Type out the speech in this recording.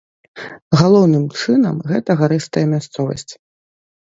Галоўным чынам гэта гарыстая мясцовасць.